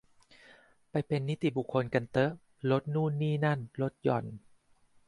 ไปเป็นนิติบุคคลกันเต๊อะ ลดนู่นนี่นั่น ลดหย่อน